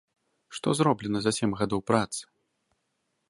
Што зроблена за сем гадоў працы?